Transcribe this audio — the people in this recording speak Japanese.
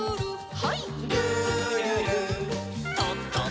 はい。